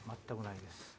全くないです。